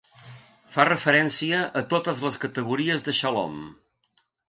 Fa referència a totes les categories de xalom.